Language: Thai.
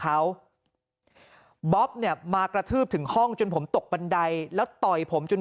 เขาบ๊อบเนี่ยมากระทืบถึงห้องจนผมตกบันไดแล้วต่อยผมจน